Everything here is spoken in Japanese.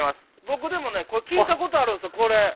僕でもね聞いたことあるんですよこれ。